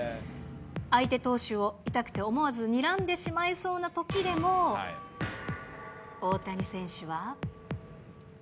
相手投手を、痛くて思わずにらんでしまいそうなときでも、大谷選手は。